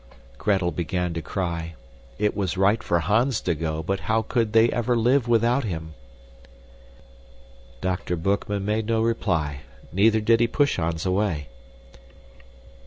Gretel began to cry. It was right for Hans to go, but how could they ever live without him? Dr. Boekman made no reply, neither did he push Hans away.